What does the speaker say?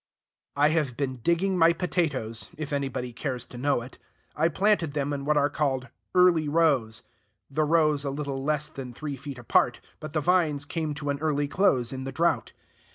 I have been digging my potatoes, if anybody cares to know it. I planted them in what are called "Early Rose," the rows a little less than three feet apart; but the vines came to an early close in the drought.